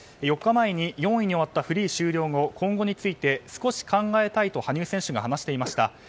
４日前に４位に終わったフリーのあと今後について少し考えたいと羽生選手が話していました。